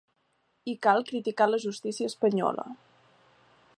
I cal criticar la justícia espanyola.